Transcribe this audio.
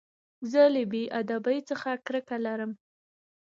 زه له بېادبۍ څخه کرکه لرم.